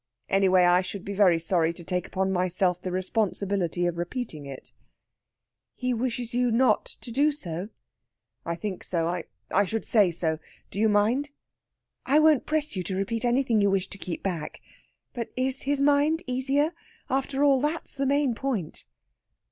Anyway, I should be very sorry to take upon myself the responsibility of repeating it." "He wishes you not to do so?" "I think so. I should say so. Do you mind?" "I won't press you to repeat anything you wish to keep back. But is his mind easier? After all, that's the main point."